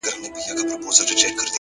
پرمختګ د ځان ماتولو هنر دی.!